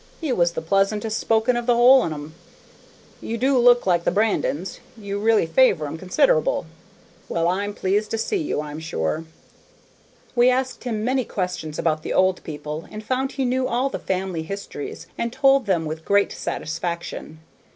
He was the pleasantest spoken of the whole on 'em. You do look like the Brandons; you really favor 'em consider'ble. Well, I'm pleased to see ye, I'm sure." We asked him many questions about the old people, and found he knew all the family histories and told them with great satisfaction.